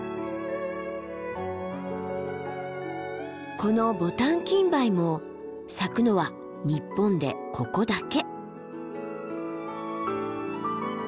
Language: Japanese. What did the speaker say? このボタンキンバイも咲くのは日本でここだけ。